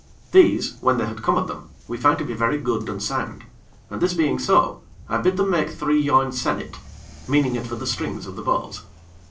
These, when they had come at them, we found to be very good and sound, and this being so, I bid them make three yarn sennit; meaning it for the strings of the bows.